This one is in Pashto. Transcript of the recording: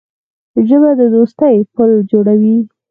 ژبه د دوستۍ پُل جوړوي